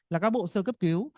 là các bộ sơ cấp cứu